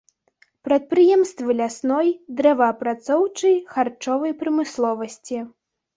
Прадпрыемствы лясной, дрэваапрацоўчай, харчовай прамысловасці.